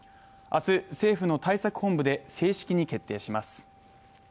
明日、政府の対策本部で正式に決定します。